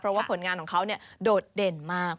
เพราะว่าผลงานของเขาโดดเด่นมาก